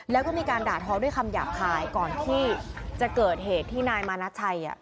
แล้วก็มีการด่าทอด้วยคำหยาบคายก่อนที่จะเกิดเหตุที่นายมานาชัย